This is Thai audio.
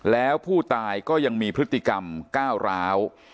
แล้วผู้ตายก็ยังมีพฤติกรรมก้าวร้าว